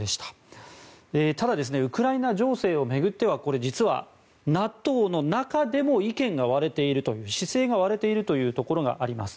ただ、ウクライナ情勢を巡っては実はＮＡＴＯの中でも意見が割れているという姿勢が割れているというところがあります。